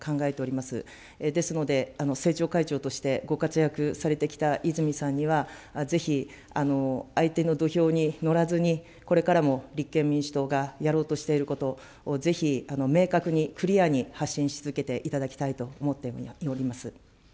ですので、政調会長としてご活躍されてきた泉さんには、ぜひ、相手の土俵に乗らずに、これからも立憲民主党がやろうとしていること、ぜひ明確に、クリアに発信し続けていただきたいと思っています。